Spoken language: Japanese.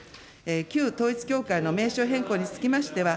旧統一教会の名称変更につきましては、